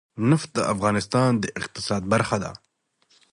نفت د افغانستان د اقتصاد برخه ده.